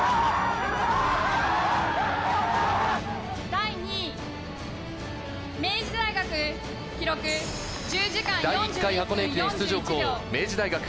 第２位、明治大学。